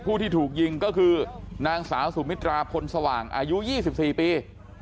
ผู้ที่ถูกยิงก็คือนางสาวสุมิตราพลสว่างอายุ๒๔ปี